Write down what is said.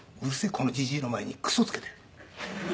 このジジイ”の前に“クソ”付けて」。